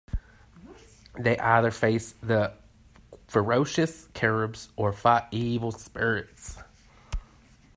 They either face the "ferocious" Caribs or fight evil spirits.